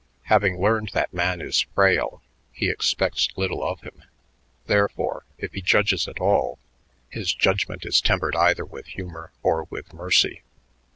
Having learned that man is frail, he expects little of him; therefore, if he judges at all, his judgment is tempered either with humor or with mercy."